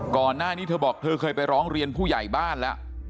ก่อนหน้านี้เธอบอกเธอเคยไปร้องเรียนผู้ใหญ่บ้านแล้ว